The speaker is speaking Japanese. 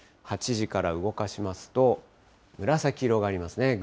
８時から動かしますと、紫色がありますね。